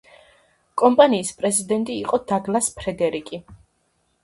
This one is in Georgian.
კომპანიის პრეზიდენტი იყო დაგლას ფრედერიკი.